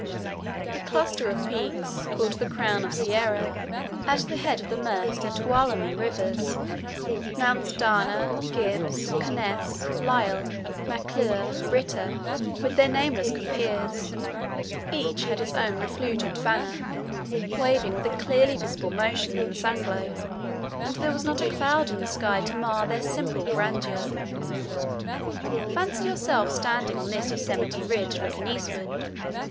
The cluster of peaks called the "Crown of the Sierra," at the head of the Merced and Tuolumne rivers,—Mounts Dana, Gibbs, Conness, Lyell, Maclure, Ritter, with their nameless compeers,—each had its own refulgent banner, waving with a clearly visible motion in the sunglow, and there was not a single cloud in the sky to mar their simple grandeur. Fancy yourself standing on this Yosemite ridge looking eastward.